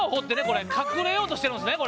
これ隠れようとしてるんですね